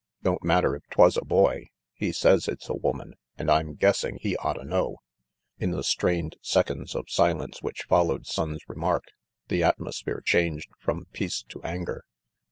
Don't matter if 'twas a boy. He says it's a woman, and I'm guessing he otta know." In the strained seconds of silence which followed Sonnes' remark, the atmosphere changed from peace to anger.